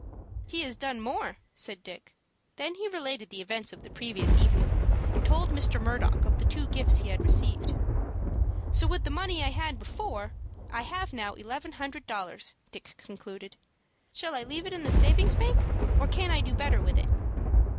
"He has done more," said Dick. Then he related the events of the evening previous, and told Mr. Murdock of the two gifts he had received. "So, with the money I had before, I have now eleven hundred dollars," Dick concluded. "Shall I leave it in the savings bank, or can I do better with it?"